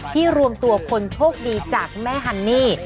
รวมตัวคนโชคดีจากแม่ฮันนี่